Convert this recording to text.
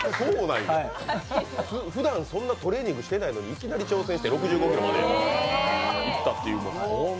ふだん、そんなにトレーニングしていないのにいきなり挑戦して６５ｋｍまでいったという。